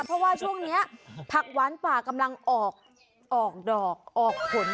เพราะว่าช่วงนี้ผักหวานป่ากำลังออกดอกออกผล